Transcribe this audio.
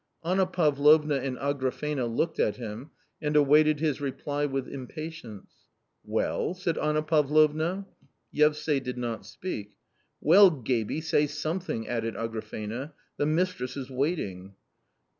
Anna Pavlovna and Agrafena looked at him and awaked his reply with impatience. " Well ?" said Anna Pavlovna. Yevsay did not speak. "Well, gaby, say something," added Agrafena, "the mistress is waiting."